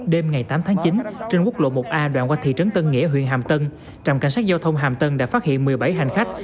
đêm ngày tám tháng chín trên quốc lộ một a đoạn qua thị trấn tân nghĩa huyện hàm tân trạm cảnh sát giao thông hàm tân đã phát hiện một mươi bảy hành khách